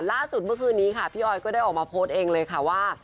ล่าสุดเมื่อคืนนี้ค่ะพี่ออยก็ได้ออกมาโพสต์เองเลยค่ะว่า